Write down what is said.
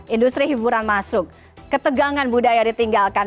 industri hiburan masuk ketegangan budaya ditinggalkan